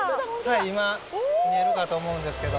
はい今見えるかと思うんですけど。